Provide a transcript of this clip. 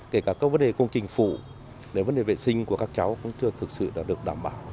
kể cả các vấn đề công trình phụ vấn đề vệ sinh của các cháu cũng chưa thực sự đã được đảm bảo